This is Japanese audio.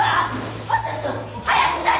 私を早く出して！